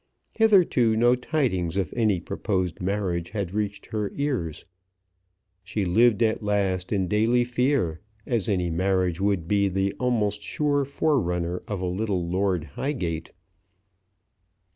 Hitherto no tidings of any proposed marriage had reached her ears. She lived at last in daily fear, as any marriage would be the almost sure forerunner of a little Lord Highgate.